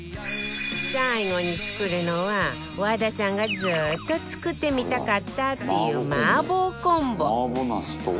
最後に作るのは和田さんがずーっと作ってみたかったっていう麻婆コンボ